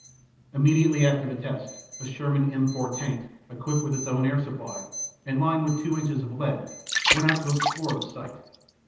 " Immediately after the test a Sherman M 4 tank, equipped with its own air supply, and lined with two inches of lead went out to explore the site.